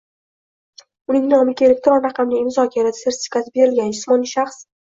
uning nomiga elektron raqamli imzo kaliti sertifikati berilgan jismoniy shaxs